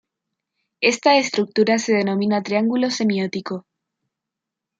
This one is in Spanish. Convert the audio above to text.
Esta estructura se denomina "triángulo semiótico.